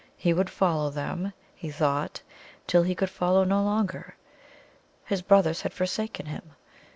He would follow them, he thought, till he could follow no longer. His brothers had forsaken him.